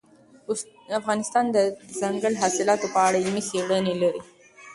افغانستان د دځنګل حاصلات په اړه علمي څېړنې لري.